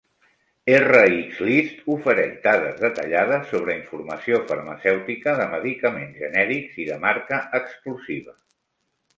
RxList ofereix dades detallades sobre informació farmacèutica de medicaments genèrics i de marca exclusiva.